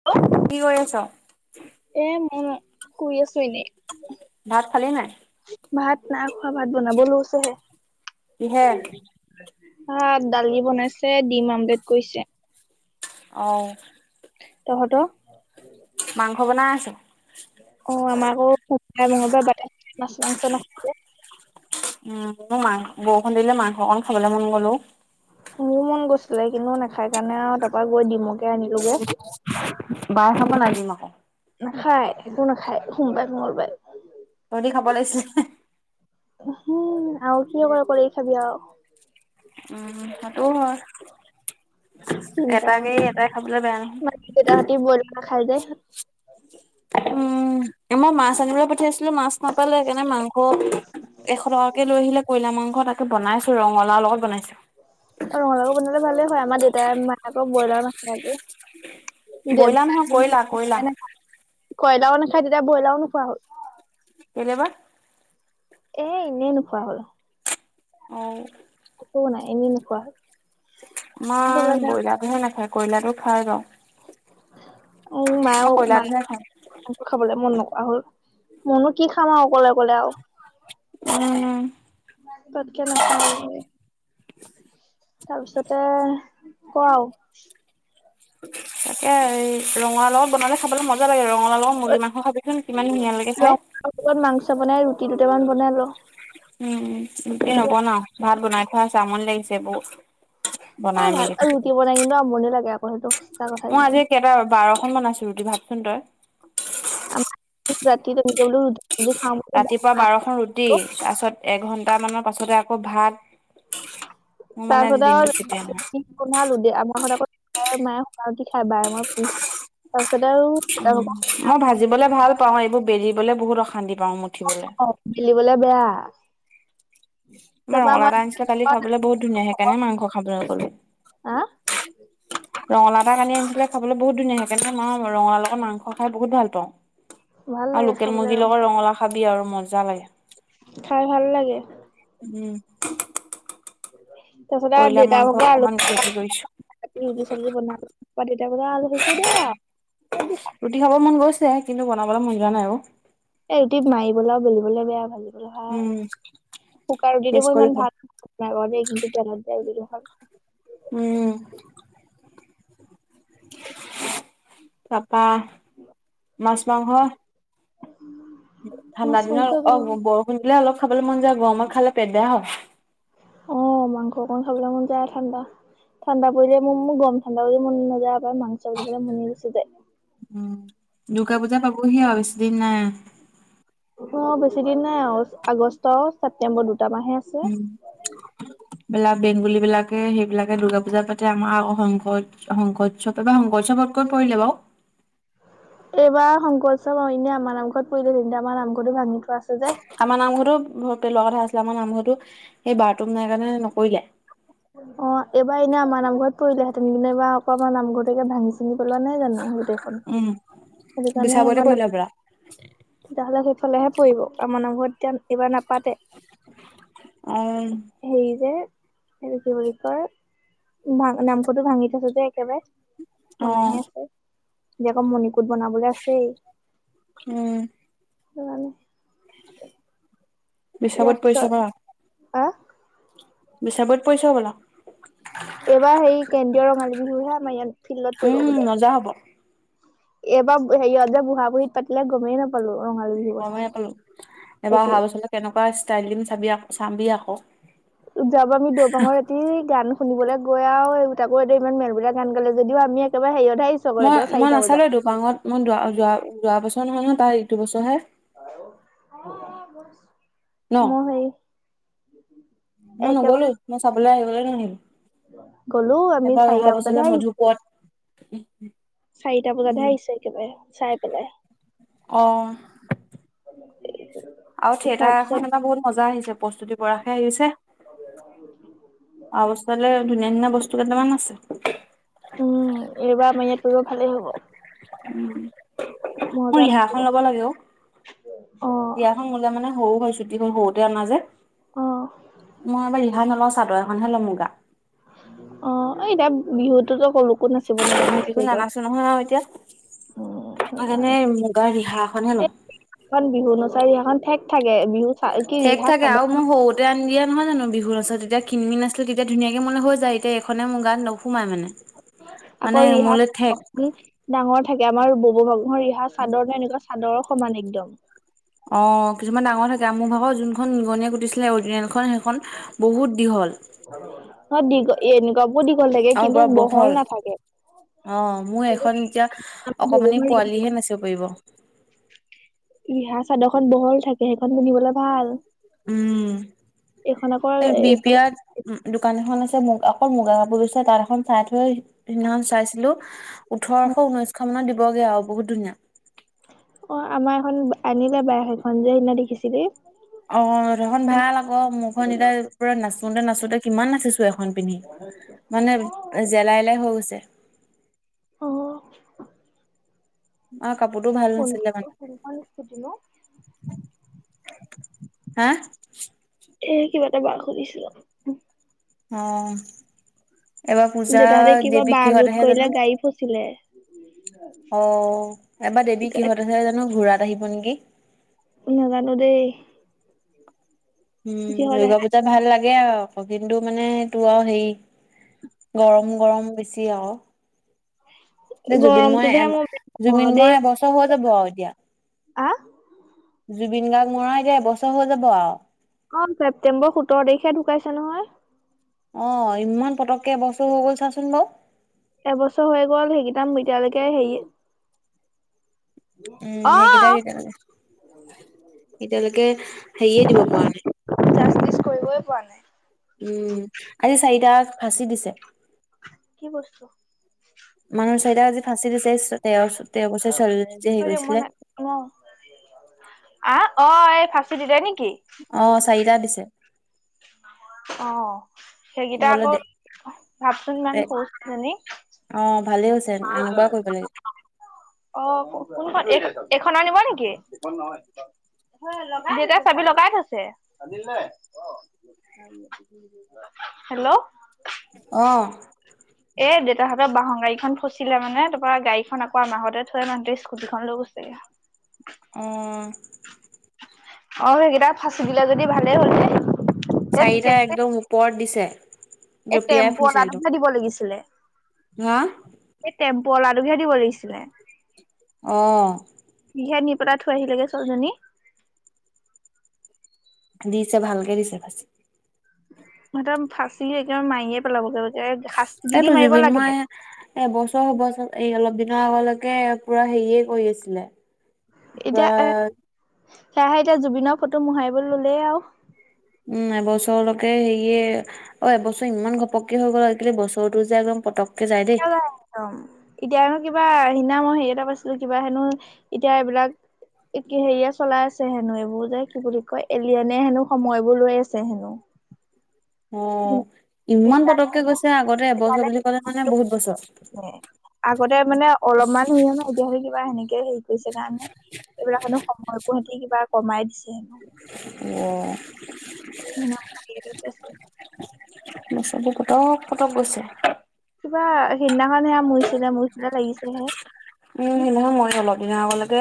Hello. কি কৰি আছ? এ, মই শুই আছোঁ এনেই। ভাত খালি নাই? ভাত নাই খোৱা, ভাত বনাব লৈছেহে। কিহে? ভাত দালি বনাইছে, ডিম আমলেট কৰিছে। অ'। তহঁতৰ? মাংস বনাই আছে। অ' আমাৰ আকৌ সোমবাৰে, মঙলবাৰে বাতে, মাছ মাংস নাখাইযে। উম। মোৰ মা বৰষুণ দিলে মাংস অকন খাবলৈ মন গ'ল অ'। মোৰো মন গৈছিলে কিন্তু নাখাই কাৰনে আৰু তাৰপা গৈ ডিমকে আনিলোগে। [inaudible] বাই খাব নাই দিম আকৌ। নাখায়, একো নাখায় সোমবাৰে মঙলবাৰে। তহঁতি খাব লাগিছিল। হুম, আৰু কি কৰা কৰি খাবি আৰু। উ, সেইটোও হয়। তিনটা মান এটাকেই এটাই খাবলৈ বেয়া নহয়। নাখাই যে। উম। মই মাছ আনিবলৈ পঠিয়াইছিলো, মাছ নাপালে সেইকাৰণে মাংস এশ টকাকে লৈ আহিলে কয়লা মাংস, তাকে বনাইছোঁ ৰঙালাও লগত বনাইছোঁ। ৰঙালাও বনালে ভালেই হয়। আমাৰ দেউতাই মায়ে আকৌ ব্ৰইলাৰ নাখাই যে। দে, ব্ৰইলাৰ নহয় কইলাৰো কয়লা কয়লা। নাখায়, দেউতাই ব্ৰইলাৰও নোখোৱা হ'ল। কেইলে বা। এ, এনেই নোখোৱা হ'ল। অ'। একো নাই এনে নোখোৱা হ'ল। সেইটো মই কাৰণে ব্ৰইলাৰটোহে নাখায়, ক্ৰইলাৰটো খাই বাৰু। উম, মই মায়ো, উম, মাই কয়লাৰটোহে খাওঁ। মোৰটো খাবলৈ মন নকৰা হ'ল। মইনো কি খাম আৰু অকলে অকলে আৰু। উম। ইমান পতকে নাখাওঁ আজি। তাৰপিছতে ক' আৰু। তাকে ৰঙালাও বনালে খাবলৈ মজা লাগে, ৰঙালাওত মুৰ্গী মাংস খাবিচোন, কিমান ধুনীয়া লাগে খাই। ৰঙালাওৰ লগত মাংস বনাই, ৰুটি দুটামান বনাই ল। উম' গোটেই নবনাওঁ, ভাত বনাই থোৱা আছে, আমনি লাগিছে বহুত। এ বনাই ভাল মেলি থাক। ৰুটি বনাই কিন্তু আমনি লাগে আকৌ সেইটো সঁচা কথা মই একদম আজি কেইটা বাৰখন আছে। ৰুটি ভাবচোন তই। আম ৰাতি যে তেনেকে বুলো ৰুটি চুটি খওঁ। ৰাতিপুৱা বাৰখন ৰুটি তাৰপাছত এঘণ্টা মানৰ পাছতে আকৌ ভাত। মোৰ মানে আজি তাৰপিছতে দিনটো কেতিয়া আৰু নহয় ৰু বনালো দে। আমাৰ ঘৰত আকৌ পাপাই মায়ে খুকান ৰুটি খাই, বাই মাই পুৰি খাওঁ। তাৰপিছতে আৰু এদাই উম হ'ব। মই ভাজিবলৈ ভাল পাও, এইবোৰ বেলিবলৈ বহুত অশান্তি পাওঁ। মোক অ', গিলিবলে বেয়া। আমাৰ ৰঙালাও এটা আনিছিলে, কালি খাবলৈ বহুত ধুনীয়া, সেইকাৰণে মাংস খাবলৈ নগলো। আহ',। ৰঙালাও এটা কালি আনিছিলে, খাবলৈ বহুত ধুনিয়া সেইকাৰণে মই ৰঙালাৰ লগত মাংস খাই বহুত ভাল পাওঁ। ভাল আৰু লাগে লোকেল খাবলৈ মুৰ্গীৰ লগত ৰঙালাও ৰঙালাওঁ খাবি আৰু মজা লাগে। খাই ভাল লাগে উম। তাৰ পিছতে আৰু কয়লা দেউতা মাংস ভাগৰ আল অকমান হেৰি কৰিছো। ৰুটি-চবজী বনালো। তেতিয়া [unintelligible] ৰুটি খাব মন গৈছে, কিন্তু বনাবলৈ মন যোৱা নাই আৰু। এই ৰুটি মাৰিবলৈ, বেলিবলৈ বেয়া ভাজিবলৈ ভাল, উম, শুকান ৰুটিটো টেষ্ট মোৰ কৰি ইমান হ'ল। ভাল নালাগে কিন্তু টেলত দিয়া ৰুটিতো খাওঁ। উম। তাপা মাছ-মাংস [inaudible] ঠাণ্ডা মাছ দিনত অ', মাংস বৰষুণ দিলে অলপ খাবলৈ মন যাই, গৰমত খালে পেট বেয়া হয়। অ', মাংস অকণ আখবলৈ মন যায় ঠাণ্ডা ঠাণ্ডা পৰিলে মোৰ গম-ঠণ্ডা পৰিলে মন নাযায়, আক মাংস বুলি কলে মনে গুচি যায়। উম, দুৰ্গা পূজা পাবহি আৰু বেছি দিন নাই। অ', বেছি দিন নাই আৰু আগষ্ট, ছেপটেম্বৰ দুটা মাহে আছে। বেলেগ বেংগলী বিলাকে, সেইবিলাকে দূৰ্গা পুজা পাতে আমাৰ আক শংকৰ শংকউৎসৱ এবাৰ শংকউৎসৱত ক'ত পৰিলে বাৰু? এইবাৰ শংকৰোৎসৱ এনে আমাৰ নামঘৰত পৰিলে কিন্তু আমাৰ নামঘৰটো ভাঙি থোৱা আছে যে। আমাৰ নামঘৰতো পেলোৱাৰ কথা আছিলে, আমাৰ নামঘৰতো সেই বাৰটো নাই কাৰণে নকৰিলে। অ', এইবাৰ এনে আমাৰ নামঘৰত পৰিললেহেতেন, কিন্তু এবাৰ আকৌ আমাৰ নামঘৰতেকে ভাঙি-চিঙি পলোৱানাই ন জানো গোটেইখন? সেইটো কাৰণে বিছাবতে মানে, পৰিলে হবলা তেতিয়া হ'লে সেইফালেহে পৰিব আমাৰ নামঘৰত এতিয়া এবাৰ নাপাতে, অ', হেৰি যে এইটো কি বুলি কয়? ভা নামঘৰটো ভাঙি থৈছ যে একেবাৰে। অ', বনাইহে আছে, এতিয়া আকৌ মণিকোট বনাবলৈ আছেই। উম। [inaudible] [inaudible] বিছাবত ইয়াৰ পৰিছে পিছত, আহ বিচাবুত পইচা হ'বলা। এইবাৰ হেৰি, কেন্দ্ৰীয় ৰঙালী বিহুহে আমাৰ ইয়াত ফিল্ডত কৰিব উম বোলে। মজা হ'ব। এইবাৰ হেৰিহ'ল যে বুহা- বুহি পাতিলে গমেই নাপ ৰঙালী বিহু। গমেই নাপালো, এইবাৰ অহা বছৰলে কেনেকুৱা ষ্টাইল দিম চাবি আকৌ চাবি আকৌ যোৱা বাৰ আমি দৌপাঙৰ ই গান শুনিবলৈ গৈ আৰু তাকো এইটো ইমান মেলমেলিয়া গান গালে। যদিও আমি একেবাৰে হেৰিয়ত আহিছ মই-মই নাচালো, দুপাঙত মই যোৱা যোৱা বছৰ নহয়-নহয় দুপাঙত [unintelligible] ন? মই হেৰি মই নগলো একেবাৰে মই চাবলৈ আহিবলৈ নহল। গ'লো আমি এবাৰ অহা চাৰিটা বছৰলে বজাতহে আহিছো মধুপুৰত চাৰিটা উম বজাতহে আহিছে একেবাৰে, চাই পেলাই অ', [inaudible] আৰু থিয়েটাৰ তাৰপিছত এখন এইবাৰ বহুত মজা আহিছে, প্ৰস্তুতি পৰশ হে আহিছে, অহা বছৰলে ধুনীয়া-ধুনীয়া বস্তু কেইটামান আছে। উম, এইবাৰ আমাৰ ইয়াত কৰিব ভালেই হ'ব। উ, উ। মোৰ মজা ৰিহা লাগিব এখন ল'ব লাগে অ'। অ ৰিয়াখন ল'লে মানে হও হয় ছু এবোৰ হওতে আনা যে। অ'। মই এইবাৰ ৰিহা নলওঁ, চাদৰ এখনহে লম মুগা। অ' এইতিয়া বিহুতোতো [unintelligible] ক'ত নাচিব নো। একো নানাছো নহয় আও এতিয়া। উম তাকাণে সেইকাৰণে মুগাৰ ৰিহা এখনহে লম। খন বিহু নচা ৰিহাখন ঠেক থাকে, বিহু চা কি ঠেক ৰিহা থাকে আও চাদৰ মই সও তে আনি দিয়া নহয় জানো বিহু নচা। তেতিয়া কীণ মীন আছিল তেতিয়া ধুনীয়াকে মোলে হৈ যায়, এটিয়া এইখনে মোৰ গাত নোসোমাই মানে। মানে আকৌ মোলে ঠেক ৰিহাত [unintelligible] ডাঙৰ থাকে, আমাৰ ব'ব ভা মো ৰিহা চাদৰ যে এনেকুৱা চাদৰৰ সমান একদম। অ' কিছুমান ডাঙৰ থাকে। মো ভাগৰ জোনখন নিগনিয়ে কুটিছিলে অৰজিনেলখন, হেখন বহুত দীঘল। অ' দীঘ, এনেকুৱাবো দীঘল থাকে আৰু কিন্তু পুৰা বহল নাথাকে। অ' মো কিন্তু এখন তিয়া আমাৰ বব অকমানি ভাগৰ ৰিহা পোৱালিহে নাচিব পাইব। ৰিহা চাদখন বহল থাকে, হেখন পিন্ধিবলৈ ভাল। উ, এইখন আকৌ এই বি পি এইফালে আত উ দোকান এখন আছে মুগা, অকল মুগা কাপোৰ বেছে তাত এখন চাই থৈ [unintelligible] হিননাহন চাইছিলোঁ। ওঠৰশ, ঊনৈছশ মানত দিবগে আও বহুত ধুনীয়া। অ' আমাৰ এখন আনিলে বাই হেইখন যে হিননা দেখিছিলি। অ' [unintelligible] খন ভাল আকৌ, মোখন এতিয়া পুৰা নাচোতে নাচোতে কিমান নাচিছো এখন পিন্ধি, মানে জেলাই লাই হৈ গৈছে। অ'। অ' কাপোৰটো ভাল কোন নাছিলে মানে। কোনখন স্কুটি নো আ। এ কিবা এটা বাক সুধিছিলোঁ। অ' এবা দেউতাহঁতে পূজাত কিবা দেৱী বা কিহঁত লোড আহে কৰিলে জানোঁ। গাড়ী ফচিলে অ' এবা দেৱী কিহঁত আহে জানোঁ, ঘোঁৰাত আহিব নেকি। নাজানো দেই। উ, কিহত হুৰ্গা আহে পূজাত ভাল লাগে আও কৌ কিন্তু মানে তো আও হেই গৰম গৰম বেছি আও। এ জুবিন মৱা গৰমটোতহে এম, মোৰ বেয়া জুবিন মৱা দেই এবছ হৈ যাব আও এতিয়া। আ জুবিন গাৰ্গ মৰা এতিয়া এবছ হৈ যাব আও। অ' ছেপ্তেম্ব সোতৰ তাৰিখে ঢুকাইছে নহয়। অ' ইমান পটককে এবছৰ হৈ গ'ল চাচোন বাও। এবছ হৈ গ'ল হেগিটাম এতিয়ালৈকে হেই উ হেগিটাক এতিয়ালেকে, এতিয়ালৈকে হেইয়ে দিব পা নাই। জাষ্টিচ কইবই পা নাই। উ, আজি চাইটাক ফাঁচি দিছে। কি বস্তু? মানুহ চাইটাক জি ফাঁচি দিছে ইছ তেৱ চ, তেৱ বছইয়া ছোৱালীজনীক যে হেই কইছিলে। অ', আহ অ' এ ফাঁচি দিলে নেকি? অ' চাইটা দিছে। অ' মই সেগিটা বোলো আকৌ, দে ভাবচোন ইমান এ সও [unintelligible] জনি। অ' ভালে হৈছ [unintelligible] অ' কো-কোনখন এ-এখন আনিব নেকি? এখন নহয় [unintelligible] হয় লগাই। [unintelligible] দেতাই চাবি লগাই থৈছে। চাদিল নে? অ'। হেল্ল'। অহ'। এ দেউতাহঁতৰ বাহন গাড়ীখন ফচিলে মানে, তাপা গাড়ীখন আকৌ আমাৰ ঘৰতে থৈ মানুহটোৱে স্কুটিখন লৈ গৈছেগে। উহ'। অ' সেইকেইটাক ফাচি দিলে যদি ভালেই হ'ল দে। চাৰিটা একদম ওপৰত দিছে। এই জঁপিয়াই টেম্পু ফুৰিছে আলাটোক একদম হে দিব লাগিছিলে। হা এই টেম্পু আলাটোক হে দিব লাগিছিলে। অহ'। ইহে নি পেলাই থৈ আহিলেগে ছোৱালী। দিছে ভালকে দিছে বেছি। একদম ফাঁচি, একে মাৰিয়ে পেলাব-লাব। এইটো জুবিন মই এবছৰ হ'ব চা, এই অলপ দিনৰ আগলৈকে পুৰা হেৰিয়ে কৰি আছিলে। পুৰা এতিয়া এ, সেয়াহে এতিয়া জুবিনৰ ফটো মোহাৰিবলৈ ললেই আৰু। উম' এবছৰলৈকে হেৰীয়ে অ' এবছৰ ইমান ঘপকে হৈ গ'ল, আজিকালি বছৰতো যে একদম পতেকে যাই দেই পোৰা একদম এতিয়ানো কিবা সিদিনা মই হেৰি এটা পাইছিলো, কিবা হেনো এতিয়া এইবিলাক হেৰিয়ে চলাই আছে হেনো এইবোৰ যে কি বুলি কয়, এলিয়নে হেনো সময়বোৰ লৈ আছে হেনো। অ' ইমান সেইকাৰণে পতককে গৈছে। আগতে এবছৰ বুলি ক'লে সেইকাৰণে মানে বহুত বছৰ। আগতে মানে অলপমান সি সাধি-সাধি কিবা হেনেকে হেৰি কৰিছে কাৰণে এইবিলাক হে, সময়পোৱাহতি কিবা কমাই দিছে হেনো। অহ' সিদিনা মই বি এড ত আছো। [inaudible] পতক পতক গৈছে। কিবা সেইদিনাখন সেয়া মৰিছিলে, মৰিছিলে লাগিছে হে। উম' সেইদিনাহন মই অলপ দিনৰ আগলৈকে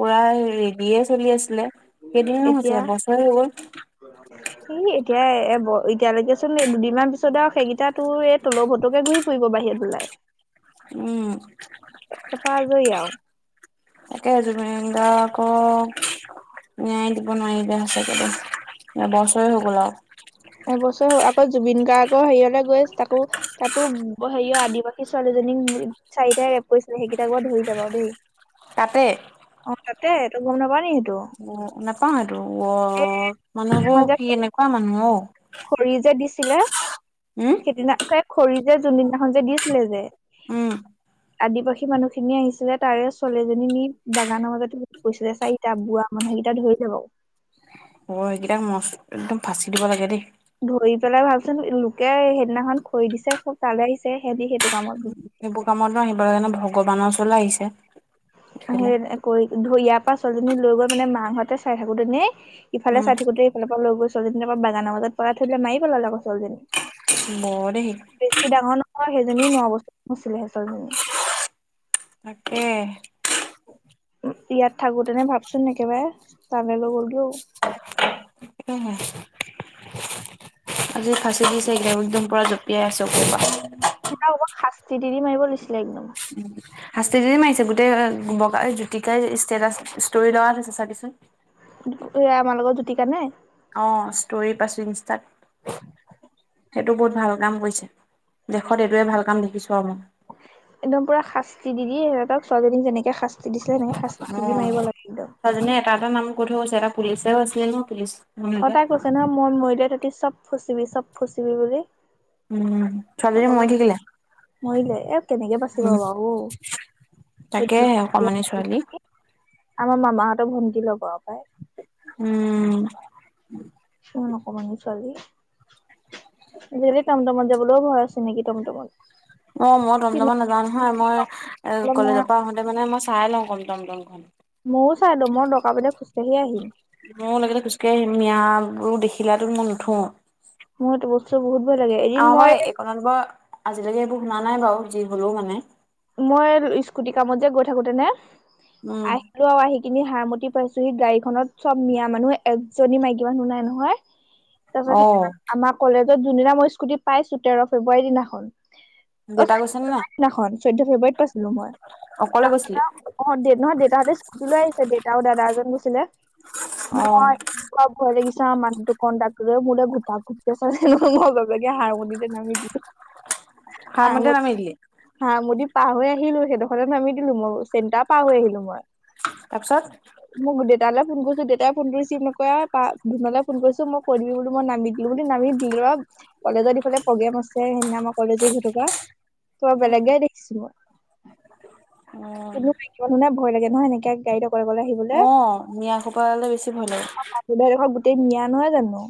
পোৰা ৰেলীয়ে চলি আছিলে। কেইদিননো হৈছে, বছৰে হ'ল। হয়, হয়। ই এতিয়া এ-এতিয়ালৈকে চোন দুদিনমান পিছত আৰু সেইকেইটা তোৰ এই টলৌ-ভটৌকে ঘূৰি ফুৰিব বাহিৰত ওলাই। উম, এ তাৰপা আজৰি আৰু। তাকে জুবিন দা আকৌ দিব নোৱাৰিলে সঁচাকে, এবছৰে হৈ গ'ল আৰু। এবছৰ, আকৌ জুবিন গাৰ্গৰ হেৰিয়লৈ গৈ তাকো তাতো সেইয় আদিবাসী ছোৱালীজনীক চাৰিটাই ৰেপ কৰিছিলে, সেইকেইটা কোব ধৰি যাবা আৰু দেই তাতে অ', তাতেটো তই গম নাপ নি সটো? অ', নাপাওঁ আৰু অ', মানে বৌ এইখন যে কি এনেকুৱা মানুহ অ'? খৰি যে দিছিলে হম সেইদিনাকে খৰি যে যোনদিনাখন যে দিছিলে যে উম। আদিবাসী মানুহখিনি আহিছিলে তাৰে ছোৱালীজনী নি বাগানৰ মাজততে গৈছিলে, চাৰি এতিয়া বুৱা মানুহকেইটা ধৰি যাব আওঁ। অ', সেইকেইটাাক মচ একদম ফাঁচি দিব লাগে দেই। ধৰি পেলাই ভাবচোন লোকে সেইদিনাখন খৰি দিছে, চব তালে আহিছে সেহদি সেইটো কামত সেইবোৰ কামতো আহিবৰ কাৰণে ভগৱানৰ ওৰলৈ আহিছে। এইফালে সেই কৰি ধইয়াৰ পাচলিজনী লৈ গল মানে মাহতে চাই থাকোতেনে ইফালে উম, চাইথাকোতেই সিফালৰ পৰা ল গৈ ছোৱালজনীৰ পৰা বাগানৰ মাজত পৰাাই থৈ লাই মাৰি পেলাল আকৌ ছোৱালজনী। ম দেহি বেছি ডাঙৰ নহয় সেইজনীও ন বছৰ নছিলেহেঁ [unintelligible] তাকে। ইয়াত থাকোতেনে ভাবচোন একেবাৰে তালে লৈ গ'ল দও। [unintelligible] আজি ফাঁচি দিছেগে একদমূৰা জঁপিয়াই আছোঁ ক'ৰবা। সেই অপ শাস্তি দি মাৰিব লৈছিলে একদম। শাস্তি যদি মাৰিছে, গোটেই বগাই জ্যতিকাই ষ্টেটাচ ষ্টৰি লগ হৈছে চাগিচোন। এ আমাৰ লগত জ্যোতিকা নে? অ', ষ্টৰি পাইছো ইনষ্টাত। সেইটো বহুত ভাল কাম কৰিছে। দেশত এইটোৱে ভাল কাম দেখিছো আৰু মই। একদম পুৰা শাস্তি দিদদি সিহঁতক ছোৱজনী যেনেকে শাস্তি শাস্তি দিছিলে নে শাস্তি দি মাৰিব লাগিব [unintelligible] তাজনে এটা এটা নাম কৈ থৈ গৈছে এটা পুলিচও আছিলে ন পুলিচ মানুহ অ', এটা তাই কৈছে নহয় মই মৰিদিয় তাঁতি চব ফুচিবি চব ফুচিবি বুলি। উম ছোৱালীজনী চবকে মৰি থাকিলে মৰিলে এ কেনেকে বাচিব বাৰু অ'? তাকে চৈধ্য অকমানি ছোৱালী। আমাৰ মামাহঁতৰ ভণ্টি লগৰ পাই। উম। [unintelligible] অকমনি চোৱালি। আজিকালি টমটামত যাবলৈও ভয় আছে নেকি টমটমত। অ', মই টমজমত চিনাকি নাযাওঁ নহয় মই এ অলপ নাই কলেজৰ পৰা আহোতে মানে মই চাই লওঁ কম দমদমখন। ময়ো চাই দেো মই দৰকাৰ পৰিলে খোজকাঢ়ি আহিম। মোৰ লগেতে খোজকাঢ়ি আহিম, মিয়াবোৰো দেখিলাটো মই নুঠো। মোৰ সেইটো বস্তু বহুত ভয় লাগে, এদিন মই আপোনালোকৰ আজিলৈকে এইবোৰ শুনা নাই বাৰু যি হলেও মানে। মই স্কুটি কামত যে গৈ থাকোতেনে, উম আহ আহি কিিনি হাৰ মতি পাইছোহি। গাড়ীখনত চব মিয়া মানুহ এজনী মাইকী মানুহ নাই নহয়। [inaudible] তাৰপাছত অ' আমাৰ কলেজত যোনদিনা মই স্কুটি পাইছো তেৰ ফেব্ৰুৱাৰী দিনাখন দেটা গৈছে নে নাই? সনাখন চৈধ্য ফেব্ৰুৱাৰীত পাইছিলো মই। অকলে গৈছিলি? ত অ', নহয় দেতাহঁতে স্কুটি লৈ আহিছে, দেউতাও দাদা এজন গৈছিলে। অ'। ঘৰ লাগিা মানুহটো কণ্ডাক্টৰটোৱে মূলে [unintelligible] চাইছে নহয় মই বাপেকে হাৰ্মতিতে নামি দিলো। হাৰ্মতিতে নামি দিলি? হহাৰ্মতি পাৰ হৈ আহিলো। সেইদোষতে নামি দেলো মই। চেণ্টাৰ পাৰ হৈই আহিলোঁ মই। তাৰপিছত? মই দেউতালৈ ফোন কৰিছিলোঁ, দেউতাই ফোনটো ৰিছিভ নকৰে। ধুনু লে ফোন কৰিছো মই কই দিবি বুলি নাম বহুতদিন আমি বিলৰক কলেজত ইফালে প্ৰগ্ৰাম আছে সেইদিনা মই কলেজ উইক হই থকা। উম বেলেগ হে দেখিছোঁ মই, অ' কোনো মাইকী মানুহ নাই ভই লগে ন এনেকৈ গাৰিত অ অকলে অকলে আহিব অ মিঞা খোপালে বেছি ভই লগে। তোৰ ঠাই ডোখৰ গোটাই মিঞা নহই জনো?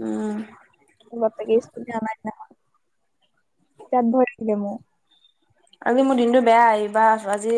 উম। বাপেকে স্কুটি অনা দিনাখন। তাত ভৰি দিলে মোক। আজি মোৰ দিনটো বেয়া [unintelligible] আজি